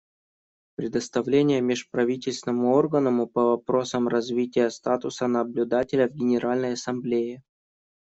Предоставление Межправительственному органу по вопросам развития статуса наблюдателя в Генеральной Ассамблее.